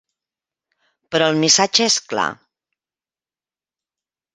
Però el missatge és clar.